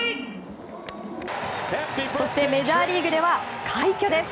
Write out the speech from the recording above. そしてメジャーリーグでは快挙です。